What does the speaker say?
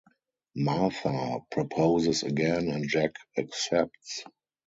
Martha proposes again and Jack accepts.